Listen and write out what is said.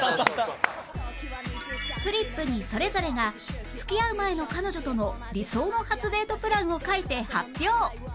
フリップにそれぞれが付き合う前の彼女との理想の初デートプランを書いて発表